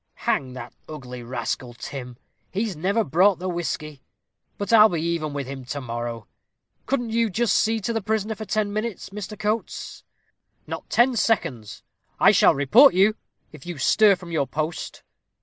Hang that ugly rascal, Tim; he's never brought the whisky. But I'll be even with him to morrow. Couldn't you just see to the prisoner for ten minutes, Mr. Coates?" "Not ten seconds. I shall report you, if you stir from your post."